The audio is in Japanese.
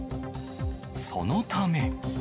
そのため。